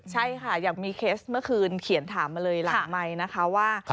ใช่ค่ะอย่างมีเคสเมื่อคืนเขียนถามมาเลยหลังไมค์นะคะว่า